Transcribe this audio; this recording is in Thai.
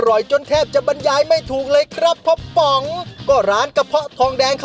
จนแทบจะบรรยายไม่ถูกเลยครับพ่อป๋องก็ร้านกระเพาะทองแดงครับ